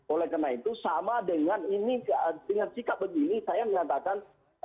oleh karena itu sama dengan ini dengan sikap begini saya menyatakan